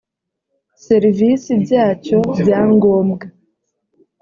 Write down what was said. serivisi byacyo bya ngombwa